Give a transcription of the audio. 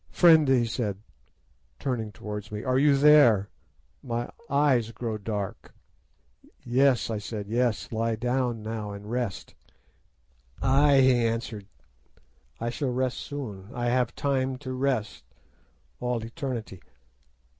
'Friend,' he said, turning towards me, 'are you there? My eyes grow dark.' "'Yes,' I said; 'yes, lie down now, and rest.' "'Ay,' he answered, 'I shall rest soon, I have time to rest—all eternity.